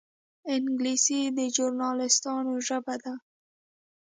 انګلیسي د ژورنالېستانو ژبه ده